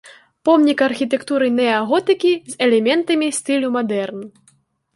Помнік архітэктуры неаготыкі з элементамі стылю мадэрн.